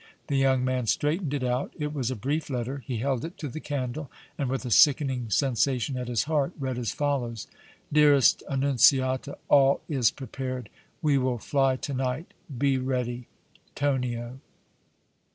The young man straightened it out. It was a brief letter. He held it to the candle and, with a sickening sensation at his heart, read as follows: DEAREST ANNUNZIATA: All is prepared. We will fly to night. Be ready. TONIO.